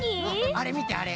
あれみてあれ！